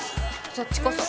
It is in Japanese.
そっちこそ。